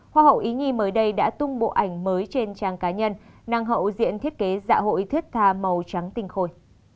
hoa hậu ý như mới đây đã tung bộ ảnh mới trên trang cá nhân năng hậu diện thiết kế dạ hội thuyết thà màu trắng tinh khôi